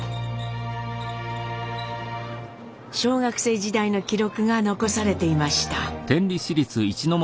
小学生時代の記録が残されていました。